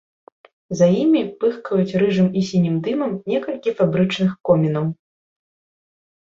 За імі пыхкаюць рыжым і сінім дымам некалькі фабрычных комінаў.